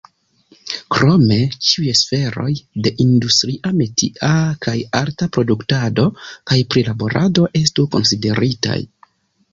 Krome ĉiuj sferoj de industria, metia kaj arta produktado kaj prilaborado estu konsideritaj.